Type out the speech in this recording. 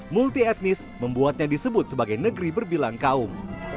multi etnis membuatnya disebut sebagai negeri berbilang kaum